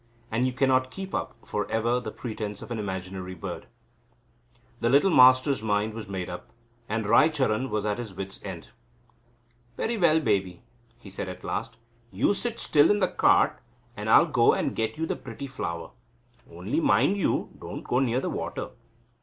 And you cannot keep up for ever the pretence of an imaginary bird. The little Master's mind was made up, and Raicharan was at his wits' end. "Very well, baby," he said at last, "you sit still in the cart, and I'll go and get you the pretty flower. Only mind you don't go near the water."